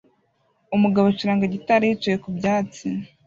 Umugabo acuranga gitari yicaye ku byatsi